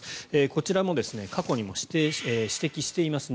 こちらも過去にも指摘しています。